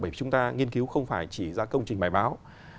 bởi vì chúng ta nghiên cứu không phải chỉ ra công trình bài báo